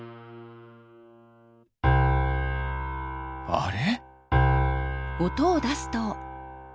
あれ？